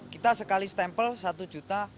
kita sekali stempel satu juta